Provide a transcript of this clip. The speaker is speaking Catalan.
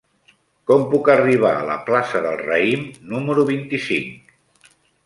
Com puc arribar a la plaça del Raïm número vint-i-cinc?